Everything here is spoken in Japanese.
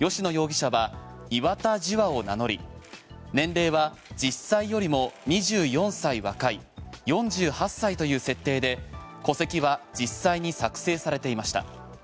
吉野容疑者は岩田樹亞を名乗り年齢は実際よりも２４歳若い４８歳という設定で戸籍は実際に作成されていました。